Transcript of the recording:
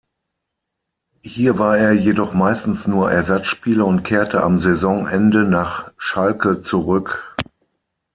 Hier war er jedoch meistens nur Ersatzspieler und kehrte am Saisonende nach Schalke zurück.